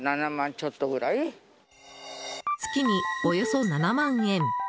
月におよそ７万円。